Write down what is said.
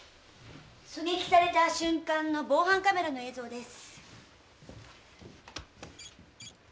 狙撃された瞬間の防犯カメラの映像です。